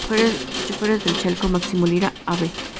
Choferes del Chaco, Máximo Lira, Av.